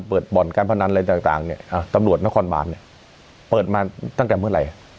เปิดบ่อนการพนันอะไรต่างอ่ะตำรวจนี่เปิดมาตั้งแต่เมื่อไหร่